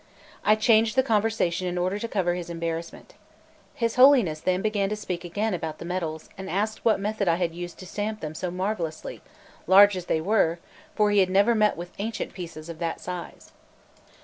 I changed the conversation in order to cover his embarrassment. His Holiness then began to speak again about the medals, and asked what method I had used to stamp them so marvelously, large as they were; for he had never met with ancient pieces of that size.